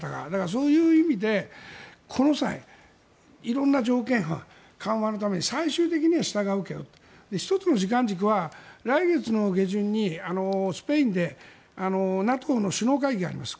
そういう意味で、この際いろんな条件は緩和のために最終的には従うけども１つの時間軸は来月の下旬にスペインでＮＡＴＯの首脳会議があります。